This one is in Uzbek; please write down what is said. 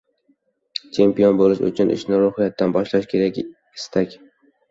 Chempion bo‘lish uchun ishni ruhiyatdan boshlash kerak – istak